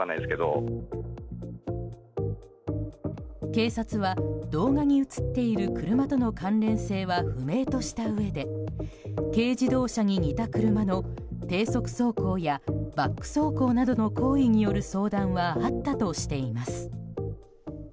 警察は動画に映っている車との関連性は不明としたうえで軽自動車に似た車の低速走行やバック走行などの行為による相談はあったとしています。